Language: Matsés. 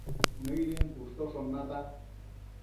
nëidën cushtoshon nata